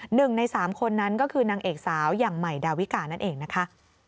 หนึ่งในสามคนนั้นก็คือนางเอกสาวอย่างใหม่ดาวิกานั่นเองนะคะ